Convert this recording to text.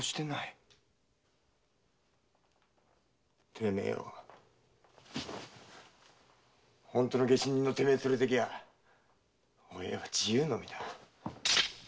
てめえを本当の下手人のてめえを連れてきゃお栄は自由の身だ。